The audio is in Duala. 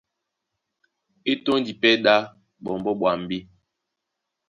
E tɔ́ndi pɛ́ ɗá ɓɔmbɔ́ ɓwambí.